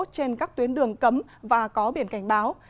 trên các tuyến đường cấm và có biển cảnh báo